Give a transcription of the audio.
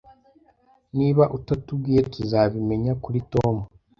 Niba utatubwiye, tuzabimenya kuri Tom